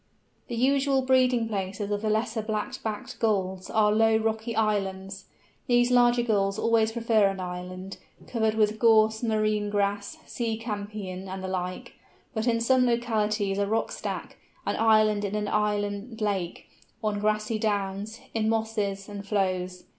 The usual breeding places of the Lesser Black backed Gull are low rocky islands—these larger Gulls always prefer an island, covered with coarse marine grass, sea campion, and the like—but in some localities a rock stack, an island in an inland lake, on grassy downs, in mosses, and flows.